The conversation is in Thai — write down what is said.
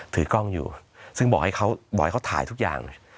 ถือกล้องอยู่ซึ่งบอกให้เขาถ่ายทุกอย่าง